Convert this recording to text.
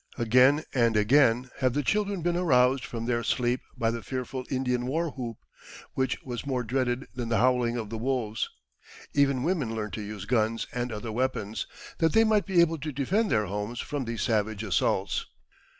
Again and again have the children been aroused from their sleep by the fearful Indian war whoop, which was more dreaded than the howling of the wolves. Even women learned to use guns and other weapons, that they might be able to defend their homes from these savage assaults.